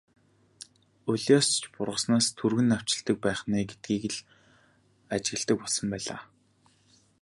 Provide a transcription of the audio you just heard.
Улиас ч бургаснаас түргэн навчилдаг байх нь ээ гэдгийг л ажигладаг болсон байлаа.